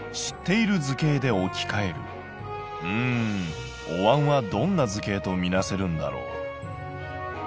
うんおわんはどんな図形とみなせるんだろう。